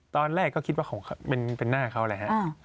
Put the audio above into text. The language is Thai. ตอนแรกก็คิดว่าเป็นหน้าเขาแหละฮะ